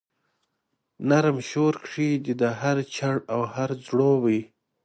نرم شور کښي دی هر چړ او هر ځړوبی